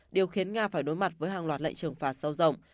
điều khiến nga phải đối mặt với hàng loạt lệnh trừng phạt sâu rộng